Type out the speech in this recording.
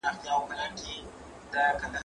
زه بايد سينه سپين وکړم!؟